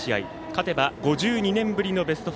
勝てば５２年ぶりのベスト４